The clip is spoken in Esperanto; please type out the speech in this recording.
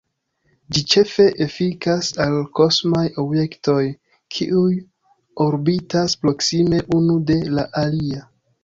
Ĝi ĉefe efikas al kosmaj objektoj, kiuj orbitas proksime unu de la alia.